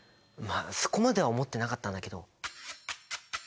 まあそこまでは思ってなかったんだけど。